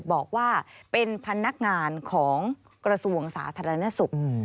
บอกว่าเป็นพนักงานของกระทรวงสาธารณสุข